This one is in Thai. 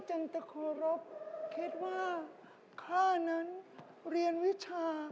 จันตะโครบคิดว่าข้านั้นเรียนวิชา